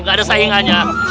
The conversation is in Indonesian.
gak ada saingannya